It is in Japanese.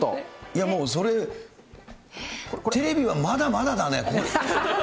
いやもうそれ、テレビはまだまだだね。